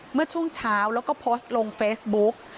เมื่อช่วงเช้าแล้วก็โพสต์ลงเฟซบุ๊ก